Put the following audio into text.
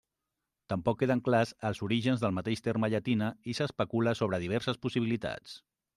Tampoc queden clars els orígens del mateix terme llatina i s'especula sobre diverses possibilitats.